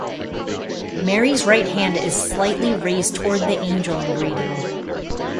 Mary's right hand is slightly raised toward the angel in greeting.